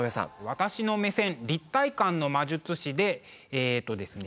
私の目線「立体感の魔術師」でえっとですね